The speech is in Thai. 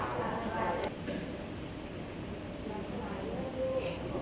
สวัสดีครับทุกคน